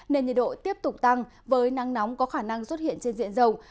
nên nhiệt độ tiếp tục tăng với nắng nóng có khả năng xuất hiện trên diện rộng